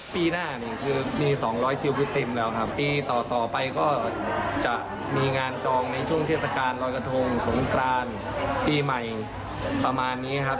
ปีหน้านี่คือมี๒๐๐คิวเต็มแล้วครับปีต่อไปก็จะมีงานจองในช่วงเทศกาลรอยกระทงสงกรานปีใหม่ประมาณนี้ครับ